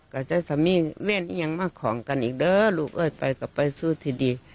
ก็จะมีแม่เอียงมาของกันอีกเด้อลูกเอ้ยไปก็ไปสู้ที่ดี